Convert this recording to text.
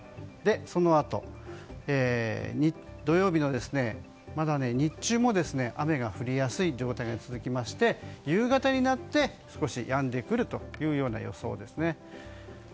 そのあと土曜日の日中も雨が降りやすい状態が続いて夕方になって少しやんでくるという予想です。